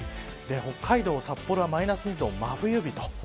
北海道、札幌はマイナス２度真冬日と。